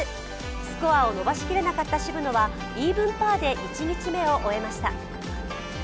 スコアを伸ばしきれなかった渋野はイーブンパーで１日目を終えました。